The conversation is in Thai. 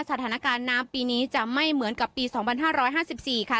สถานการณ์น้ำปีนี้จะไม่เหมือนกับปี๒๕๕๔ค่ะ